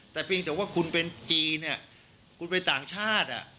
แต่เพียงแต่ว่าคุณเป็นจีนคุณไปต่างชาติ